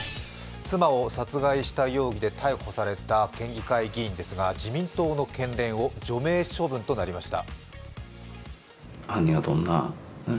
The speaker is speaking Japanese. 妻を殺害されたことで逮捕された県議会議員ですが、自民党の県連を除名処分となりました。